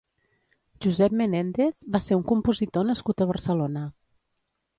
Josep Menéndez va ser un compositor nascut a Barcelona.